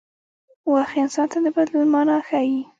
وخت انسان ته د بدلون مانا ښيي.